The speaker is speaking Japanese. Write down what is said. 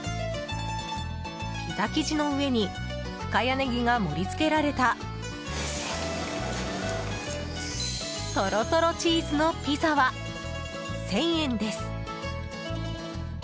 ピザ生地の上に深谷ネギが盛り付けられたトロトロチーズのピザは１０００円です。